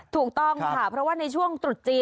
ถูกต้องค่ะเพราะว่าในช่วงตรุษจีน